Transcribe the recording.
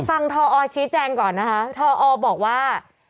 ฟังทออร์ชี้แจงก่อนนะคะทออร์บอกว่า